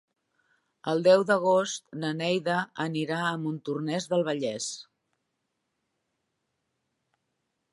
El deu d'agost na Neida anirà a Montornès del Vallès.